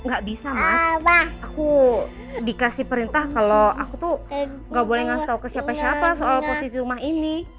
gak bisa maaf aku dikasih perintah kalau aku tuh gak boleh ngasih tau ke siapa siapa soal posisi rumah ini